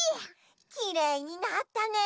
きれいになったね！